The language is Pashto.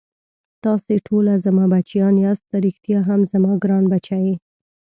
تاسې ټوله زما بچیان یاست، ته ريښتا هم زما ګران بچی یې.